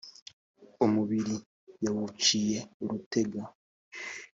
umubiri yawuciye urutenga.